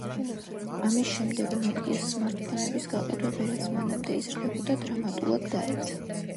ამის შემდეგ, ნოკიას სმარტფონების გაყიდვები, რაც მანამდე იზრდებოდა, დრამატულად დაეცა.